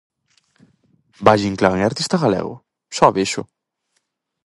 Valle-Inclán é artista galego? Xa o vexo!